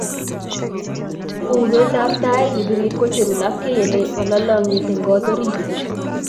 urwet ab tait nebirir kocheru lapkeiyet nebo lalangyet eng kt orit